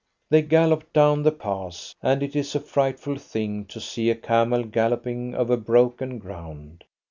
They galloped down the pass, and it is a frightful thing to see a camel galloping over broken ground.